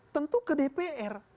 tentu ke dpr